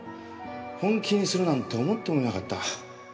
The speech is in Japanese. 本気にするなんて思ってもみなかった。